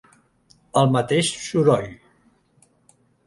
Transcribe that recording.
El mateix soroll.